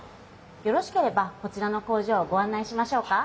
よろしければこちらの工場をごあん内しましょうか？